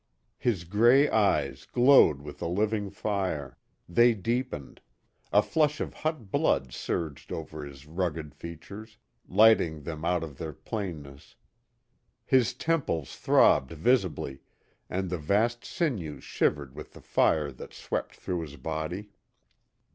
His gray eyes glowed with a living fire; they deepened; a flush of hot blood surged over his rugged features, lighting them out of their plainness. His temples throbbed visibly, and the vast sinews shivered with the fire that swept through his body.